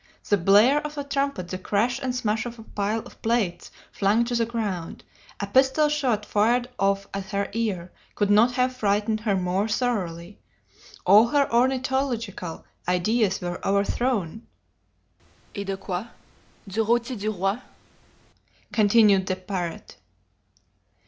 The blare of a trumpet, the crash and smash of a pile of plates flung to the ground, a pistol shot fired off at her ear, could not have frightened her more thoroughly. All her ornithological ideas were overthrown. "'Et de quoi? Du rôti du roi?' continued the parrot.